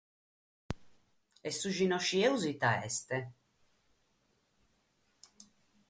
E su chi no ischimus ite est?